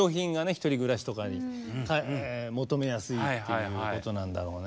１人暮らしとかに求めやすいっていうことなんだろうね。